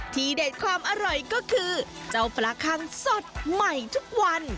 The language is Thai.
เด็ดความอร่อยก็คือเจ้าปลาคังสดใหม่ทุกวัน